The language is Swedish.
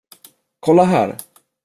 Kolla här.